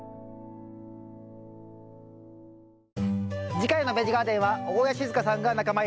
次回の「ベジ・ガーデン」は大家志津香さんが仲間入り。